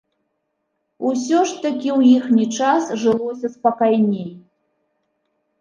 Усё ж такі ў іхні час жылося спакайней!